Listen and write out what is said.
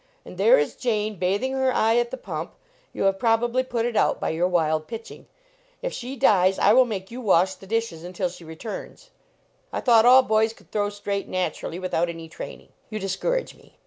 And there is Jane, bathing her eye at the pump. You have probably put it out by your wild pitching. If she dies, I will make you wash the dishes until she returns. I thought all boys could throw straight naturally without any training. You dis courage me.